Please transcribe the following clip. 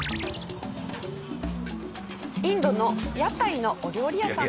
インドの屋台のお料理屋さんです。